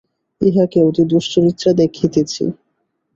ইহাকে অতি দুশ্চরিত্রা দেখিতেছি।